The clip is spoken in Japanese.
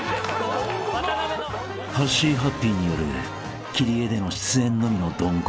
［はっしーはっぴーによる切り絵での出演のみのドンココ］